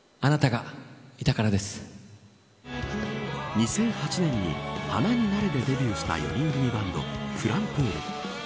２００８年に花になれでデビューした４人組バンドｆｌｕｍｐｏｏｌ。